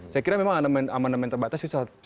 saya kira memang amanemen terbatas itu salah satu pilihan